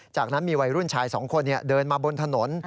จากนั้นมีวัยรุ่นชาย๒คนเดินมาบนถนน